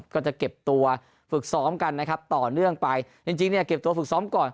ก็จะเก็บตัวฝึกซ้อมกันนะครับต่อเนื่องไปจริงจริงเนี่ยเก็บตัวฝึกซ้อมก่อน